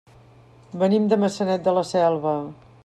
Venim de Maçanet de la Selva.